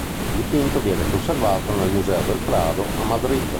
Il dipinto viene conservato nel Museo del Prado, a Madrid.